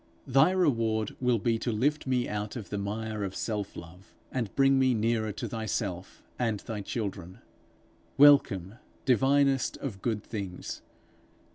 Thy reward will be to lift me out of the mire of self love, and bring me nearer to thyself and thy children: welcome, divinest of good things!